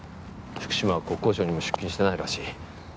福島は国交省にも出勤してないらしい。